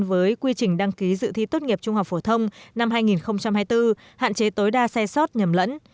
với quy trình đăng ký dự thi tốt nghiệp trung học phổ thông năm hai nghìn hai mươi bốn hạn chế tối đa xe sót nhầm lẫn